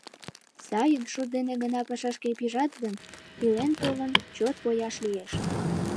Сайын, шот дене гына пашашке пижат гын, илен-толын, чот пояш лиеш.